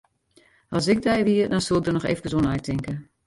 As ik dy wie, dan soe ik der noch efkes oer neitinke.